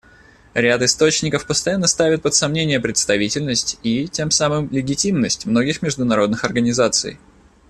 Ряд источников постоянно ставит под сомнение представительность и, тем самым, легитимность многих международных организаций.